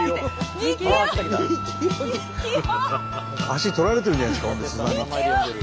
足取られてるじゃないですか砂。